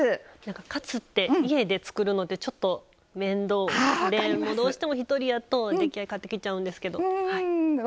カツって家で作るのちょっと面倒で、どうしても一人やと出来合いのものを買ってきちゃうんですけど。